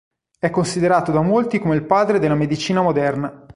È considerato da molti come "il padre della medicina moderna".